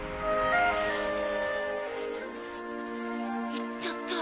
行っちゃった。